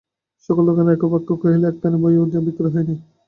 সকল দোকানদার একবাক্যে বলিল, একখানি বইও বিক্রয় হয় নাই।